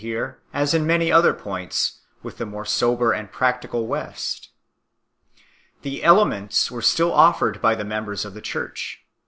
here, as in many other points, with the more sober and practical West. The Elements were still offered by the members of the Church.